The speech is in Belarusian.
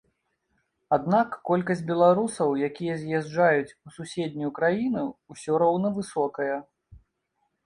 Аднак колькасць беларусаў, якія з'язджаюць у суседнюю краіну ўсё роўна высокая.